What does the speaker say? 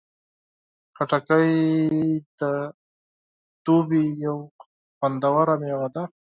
خټکی د دوبی یو خوندور میوه ده.